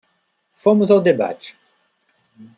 Fomos ao debate.